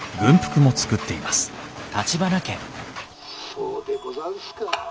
「そうでござんすか。